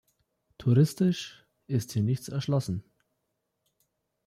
Touristisch ist hier nichts erschlossen.